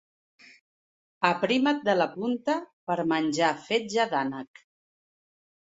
Aprimat de la punta per menjar fetge d'ànec.